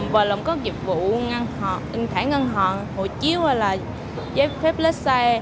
và làm các dịch vụ ngăn họn ứng thải ngăn họn hộ chiếu hay là giấy phép lết xe